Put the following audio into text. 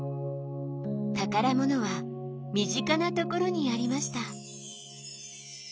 宝物は身近なところにありました。